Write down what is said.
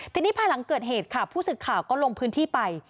ทีนี้ภายหลังเกิดเหตุค่ะผู้สื่อข่าวก็ลงพื้นที่ไป